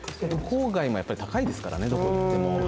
郊外も高いですからね、どこへ行っても。